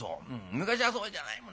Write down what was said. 昔はそうじゃないもん。